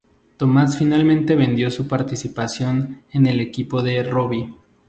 Thomas finalmente vendió su participación en el equipo de Robbie.